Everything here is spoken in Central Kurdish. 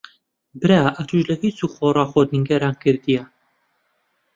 برا ئەتووش لە هیچ و خۆڕا خۆت نیگەران کردییە.